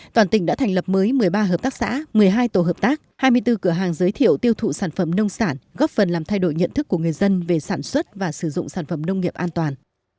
toàn tỉnh đã thành lập mới một mươi ba hợp tác xã một mươi hai tổ hợp tác hai mươi bốn cửa hàng giới thiệu tiêu thụ sản phẩm nông sản góp phần làm thay đổi nhận thức của người dân về sản xuất và sử dụng sản phẩm nông nghiệp an toàn